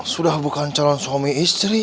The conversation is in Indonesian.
sudah bukan calon suami istri